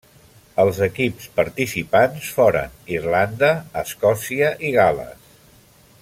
Els equips participants foren Irlanda, Escòcia, i Gal·les.